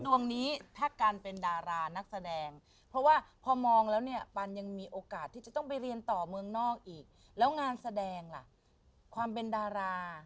ดวงนี้ถ้าการเป็นดารานักแสดงเพราะว่าพอมองแล้วเนี่ยปันยังมีโอกาสที่จะต้องไปเรียนต่อเมืองนอกอีกแล้วงานแสดงล่ะความเป็นดารา